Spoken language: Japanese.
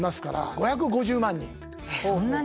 ５５０万人。